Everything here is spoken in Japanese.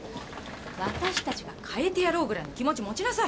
私たちが変えてやろうぐらいの気持ち持ちなさい！